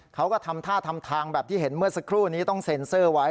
เขาก็ทำท่าทำทางแบบที่เห็นเมื่อสักครู่นี้ต้องเซ็นเซอร์ไว้